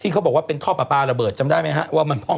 เขาบอกว่าเป็นท่อปลาปลาระเบิดจำได้ไหมฮะว่ามันห้อง